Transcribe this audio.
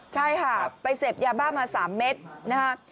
ใช่ค่ะไปเสพยาบ้ามา๓เม็ดนะคะ